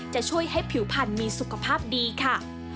จะช่วยให้ผิวพันธุ์มีสุขภาพดีค่ะ